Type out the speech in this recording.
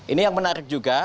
ini yang menarik juga